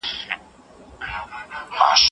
راتلونکی مو په خپله خوښه انځور کړئ.